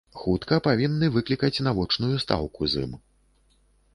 Хутка павінны выклікаць на вочную стаўку з ім.